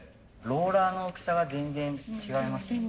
ローラーの大きさが全然違いますね。